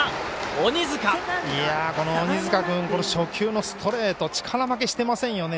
鬼塚君、初球のストレート力負けしてませんよね。